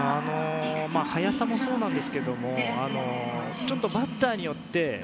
速さもそうですがちょっとバッターによって。